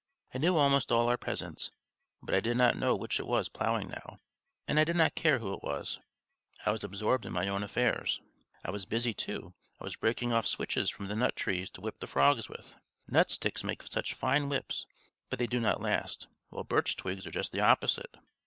I knew almost all our peasants, but I did not know which it was ploughing now, and I did not care who it was, I was absorbed in my own affairs. I was busy, too; I was breaking off switches from the nut trees to whip the frogs with. Nut sticks make such fine whips, but they do not last; while birch twigs are just the opposite.